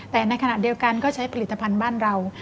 แต่ในขณะเดียวกันก็ใช้ผลิตภัณฑ์บ้านเรา